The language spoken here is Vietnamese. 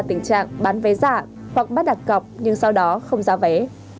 tình trạng bán vé giả hoặc bắt đặt cọc nhưng sau đó không giá vé